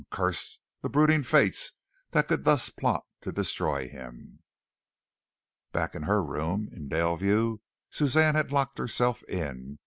Curse the brooding fates that could thus plot to destroy him! Back in her room in Daleview Suzanne had locked herself in.